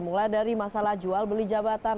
mulai dari masalah jual beli jabatan